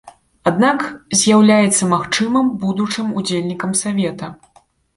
Аднак з'яўляецца магчымым будучым удзельнікам савета.